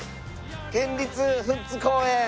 「県立富津公園」！